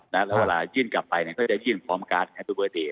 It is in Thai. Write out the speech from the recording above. แล้วเวลายื่นกลับไปเนี่ยก็จะยื่นพร้อมการ์ดแฮปปี้เบิร์ตเดย์